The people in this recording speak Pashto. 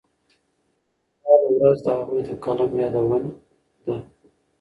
د لیکوالو ورځ د هغوی د قلم یادونه ده.